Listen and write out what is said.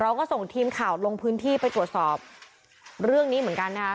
เราก็ส่งทีมข่าวลงพื้นที่ไปตรวจสอบเรื่องนี้เหมือนกันนะคะ